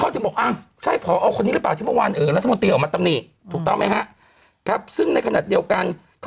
เธอห้องเข็ดชุมนุมกันแน่น